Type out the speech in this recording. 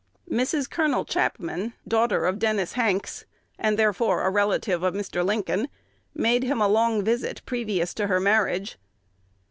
Mrs. Col. Chapman, daughter of Dennis Hanks, and therefore a relative of Mr. Lincoln, made him a long visit previous to her marriage.